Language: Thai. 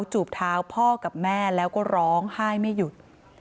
จูบเท้าพ่อกับแม่แล้วก็ร้องไห้ไม่หยุด